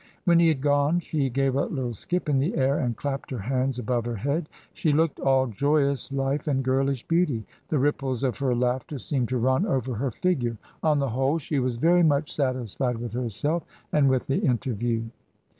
When he had gone she gave a little skip in the air and clapped her hands above her head. She looked all joyous life and girlish beauty; the ripples of her laughter seemed to run over her figure. On the whole, she was very much satisfied with herself and with the interview.